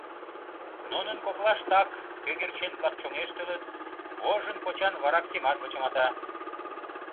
Нунын коклаштак кӧгӧрчен-влак чоҥештылыт, вожын почан вараксимат вычымата.